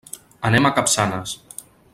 Anem a Capçanes.